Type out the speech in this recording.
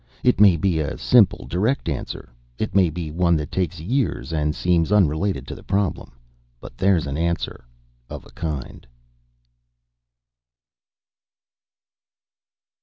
It may be a simple, direct answer; it may be one that takes years, and seems unrelated to the problem. But there's an answer of a kind....